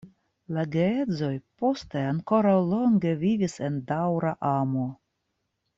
La geedzoj poste ankoraŭ longe vivis en daŭra amo.